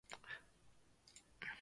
四五六